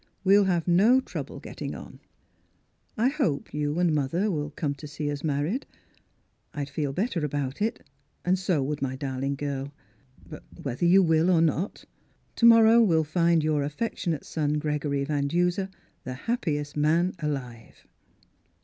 We'll have no trouble getting on. " I hope you and mother will come to see us married. I'd feel better about it, and so would my darling girl. But whether you will or not, to morrow will find your affectionate son Gregory Van Duser the happiest man alive